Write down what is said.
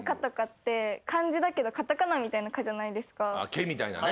「ケ」みたいなね。